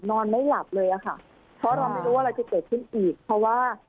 นอนไม่หลับเลยอะค่ะเพราะเราไม่รู้ว่าอะไรจะเกิดขึ้นอีกเพราะว่า